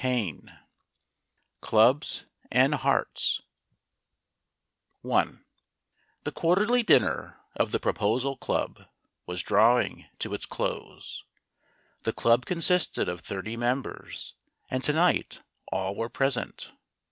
VI CLUBS AND HEARTS THE quarterly dinner of the Proposal Club was drawing to its close. The club consisted of thirty members, and to night all were present.